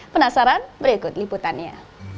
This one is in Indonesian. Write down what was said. penasaran berikut liputannya